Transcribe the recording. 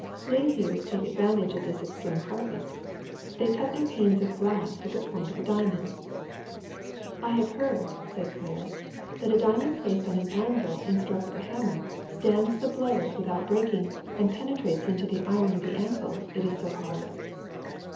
Glaziers take ad vantage of this extreme hardness : they cut their panes of glass with the point of a diamond." ^'I have heard," said Claire, ^Hhat a diamond placed on an anvil and struck with a hammer stands the blows without breaking and penetrates into the iron of the anvil, it is so hard.